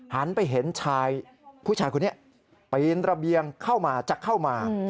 หันไปเห็นชายผู้ชายคนนี้ปีนระเบียงเข้ามาจะเข้ามา